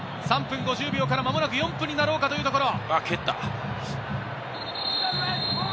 ３分５０秒から間もなく４分になろうかというところ。